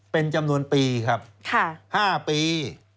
เป็นจำนวนปีครับ๕ปี